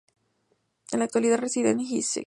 En la actualidad reside en Essex.